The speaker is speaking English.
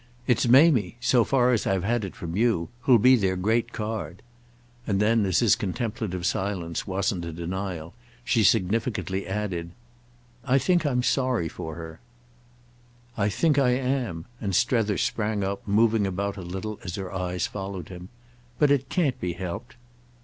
"It's Mamie—so far as I've had it from you—who'll be their great card." And then as his contemplative silence wasn't a denial she significantly added: "I think I'm sorry for her." "I think I am!"—and Strether sprang up, moving about a little as her eyes followed him. "But it can't be helped."